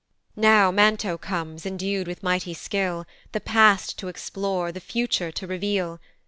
Now Manto comes, endu'd with mighty skill, The past to explore, the future to reveal.